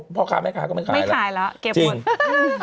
พ่อขายแม่ขายก็ไม่ขายแล้วจริงไม่ขายล่ะเกี่ยวบู๊ด